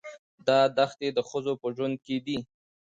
دا دښتې د ښځو په ژوند کې دي.